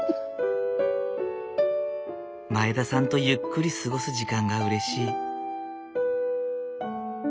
前田さんとゆっくり過ごす時間がうれしい。